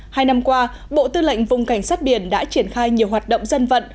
hai năm qua bộ tư lệnh vùng cảnh sát biển đã triển khai nhiều hoạt động dân vận